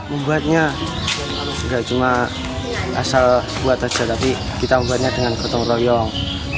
membuatnya tidak cuma asal buat saja tapi kita membuatnya dengan ketung royong